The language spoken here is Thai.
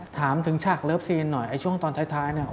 ถามถึงฉากเลิฟซีนหน่อยไอ้ช่วงตอนท้ายเนี่ย